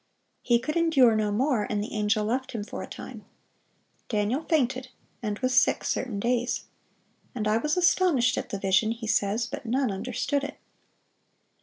He could endure no more, and the angel left him for a time. Daniel "fainted, and was sick certain days." "And I was astonished at the vision," he says, "but none understood it."